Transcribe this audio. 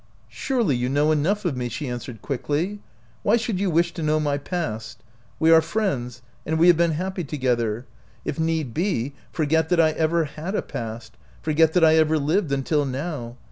"Surely you know enough of me," she answered, quickly. " Why should you wish to know my past ? We are friends, and we have been happy together. If need be, for get that I ever had a past, forget that I ever lived until now.